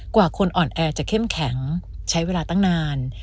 กว่าคนอ่อนแอจะเข้มแข็งใช้เวลาตั้งนาน